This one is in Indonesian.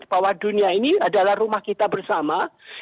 bahwa dunia ini adalah rumah kita bersama